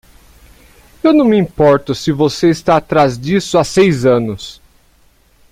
Eu não me importo se você está atrás disso há seis anos!